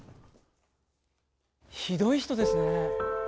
ひどい人ですね。